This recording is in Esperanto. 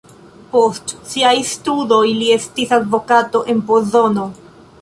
Post siaj studoj li estis advokato en Pozono.